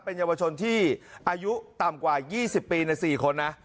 เยาวชนที่อายุต่ำกว่า๒๐ปีใน๔คนนะ